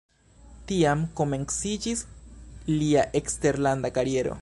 Tiam komenciĝis lia eksterlanda kariero.